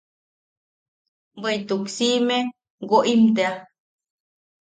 Bweʼituk siʼime woʼim tea.